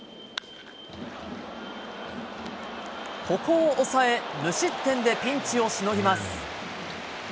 ここを抑え、無失点でピンチをしのぎます。